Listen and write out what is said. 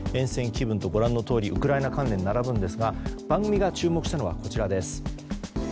厭戦気分とご覧のようにウクライナ関連が並ぶんですが番組が注目したのはこちらです。